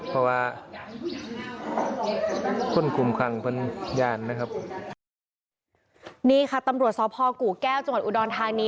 เพราะว่าคนคุมขังเป็นยานนะครับนี่ค่ะตำรวจสพกู่แก้วจังหวัดอุดรธานี